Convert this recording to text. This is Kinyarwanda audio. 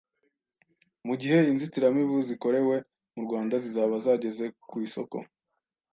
Mu gihe inzitiramibu zikorewe mu Rwanda zizaba zageze ku isoko